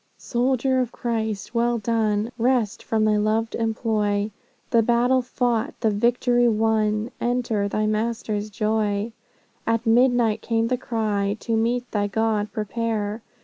"Soldier of Christ, well done! Rest from thy loved employ: The battle fought, the victory won, Enter thy Master's joy. At midnight came the cry, To meet thy God prepare!